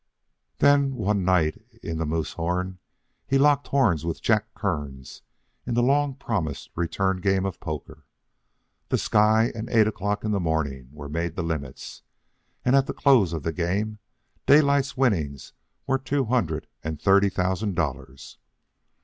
Thus, one night in the Moosehorn, he locked horns with Jack Kearns in the long promised return game of poker. The sky and eight o'clock in the morning were made the limits, and at the close of the game Daylight's winnings were two hundred and thirty thousand dollars.